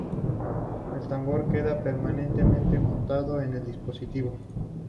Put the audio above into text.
El tambor queda permanentemente montado en el dispositivo.